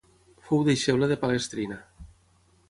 Fou deixeble de Palestrina.